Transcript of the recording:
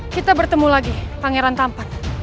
kita bertemu lagi pangeran tampan